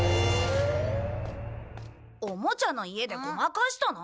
おもちゃの家でごまかしたな。